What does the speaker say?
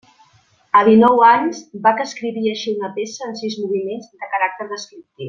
A dinou anys, Bach escrivia així una peça en sis moviments de caràcter descriptiu.